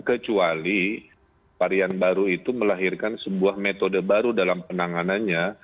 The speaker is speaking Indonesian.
kecuali varian baru itu melahirkan sebuah metode baru dalam penanganannya